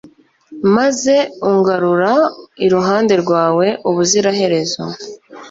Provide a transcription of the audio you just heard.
maze ungarura iruhande rwawe ubuziraherezo